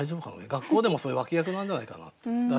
学校でもそういう脇役なんじゃないかなっていう。